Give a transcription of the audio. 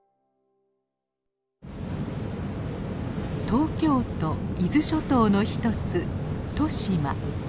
東京都伊豆諸島の一つ利島。